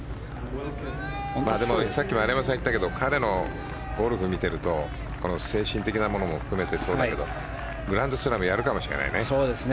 さっき丸山さんが言ったけど彼のゴルフを見ているとこの精神的なものも含めてそうだけどグランドスラムやるかもしれないね。